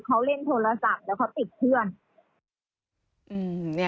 เขาเล่นโทรศัพท์แล้วเขาติดเพื่อน